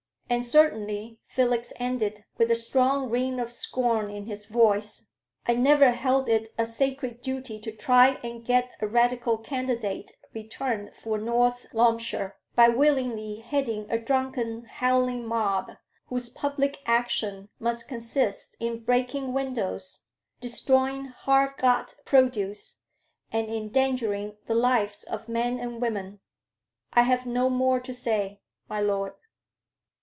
And certainly," Felix ended, with a strong ring of scorn in his voice, "I never held it a sacred duty to try and get a Radical candidate returned for North Loamshire, by willingly heading a drunken howling mob, whose public action must consist in breaking windows, destroying hard got produce, and endangering the lives of men and women. I have no more to say, my Lord."